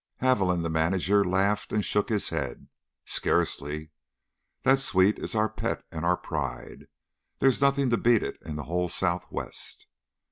Haviland, the manager, laughed and shook his head. "Scarcely! That suite is our pet and our pride. There's nothing to beat it in the whole Southwest."